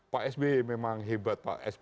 pak s b memang hebat pak s b